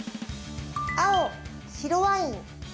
青・白ワイン。